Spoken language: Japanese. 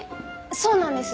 そうなんです。